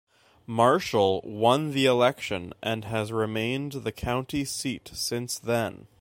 Marshall won the election and has remained the county seat since then.